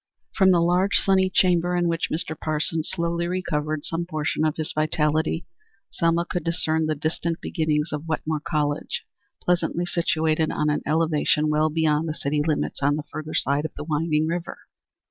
From the large, sunny chamber in which Mr. Parsons slowly recovered some portion of his vitality, Selma could discern the distant beginnings of Wetmore College, pleasantly situated on an elevation well beyond the city limits on the further side of the winding river.